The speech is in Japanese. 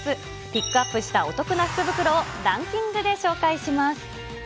ピックアップしたお得な福袋をランキングで紹介します。